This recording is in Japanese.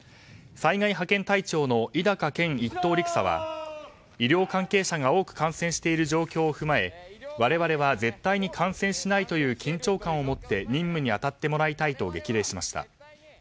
災害派遣隊長の伊高賢一等陸佐は医療関係者が多く感染している状況を踏まえ我々は絶対に感染しないという緊張感を持って任務に当たってもらいたいと激励しました。